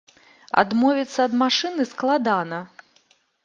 Адмовіцца ад машыны складана.